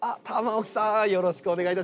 よろしくお願いします。